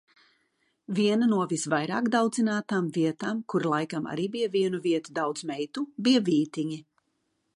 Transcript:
Viena no visvairāk daudzinātām vietām, kur laikam arī bija vienuviet daudz meitu, bija Vītiņi.